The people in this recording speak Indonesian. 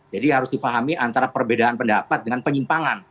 jadi harus difahami antara perbedaan pendapat dengan penyimpangan